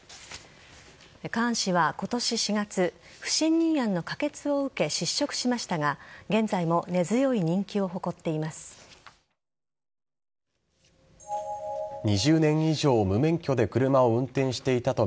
カーン氏は今年４月不信任案の可決を受け失職しましたが現在も根強い人気を誇っています。